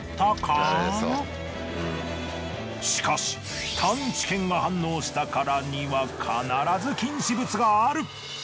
しかし探知犬が反応したからには必ず禁止物がある。